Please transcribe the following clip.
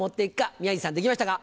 宮治さんできましたか？